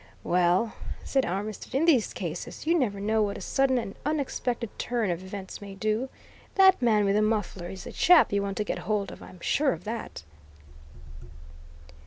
"Well," said Armitstead, "in these cases, you never know what a sudden and unexpected turn of events may do. That man with the muffler is the chap you want to get hold of I'm sure of that!"